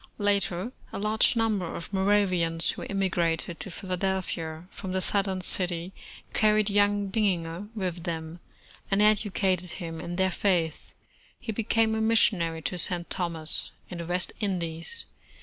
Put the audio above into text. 52 America Later, a large number of Moravians, who immigrated to Philadelphia from the Southern city, carried young Bininger with them, and educated him in their faith. He became a missionary to St. Thomas, in the West Indies.